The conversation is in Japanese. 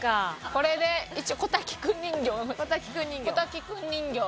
これで一応小瀧君人形小瀧君人形。